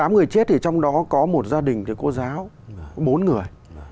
một mươi tám người chết thì trong đó có một gia đình thì cô giáo bốn người